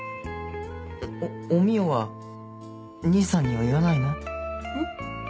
おお美代は兄さんには言わないの？